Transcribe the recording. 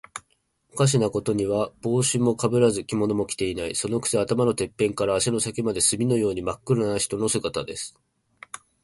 おかしなことには、帽子もかぶらず、着物も着ていない。そのくせ、頭のてっぺんから足の先まで、墨のようにまっ黒な人の姿です。